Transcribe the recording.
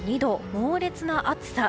猛烈な暑さ。